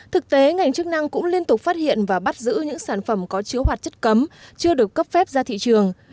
thực tế ngành chức năng cũng liên tục phát hiện và bắt giữ những sản phẩm có chứa hoạt chất cấm chưa được cấp phép ra thị trường